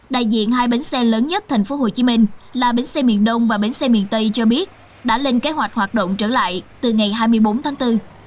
đại diện hai bến xe lớn nhất tp hcm là bến xe miền đông và bến xe miền tây cho biết đã lên kế hoạch hoạt động trở lại từ ngày hai mươi bốn tháng bốn